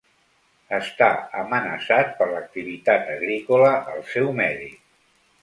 Està amenaçat per l'activitat agrícola al seu medi.